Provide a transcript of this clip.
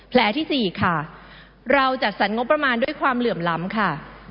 ที่๔ค่ะเราจัดสรรงบประมาณด้วยความเหลื่อมล้ำค่ะ